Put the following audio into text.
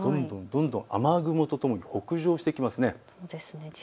どんどん雨雲とともに北上してきます。